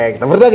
kita berdua ya